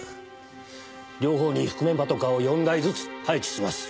両方に覆面パトカーを４台ずつ配置します。